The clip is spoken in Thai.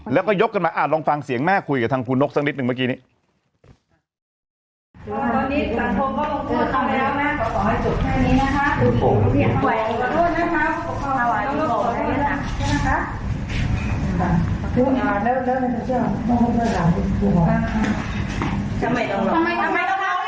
แล้วก็ยกกันมาลองฟังเสียงแม่คุยกับทางภูนกสักนิดหนึ่งเมื่อกี้นี้